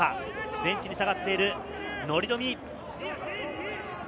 ベンチに下がっている乗冨。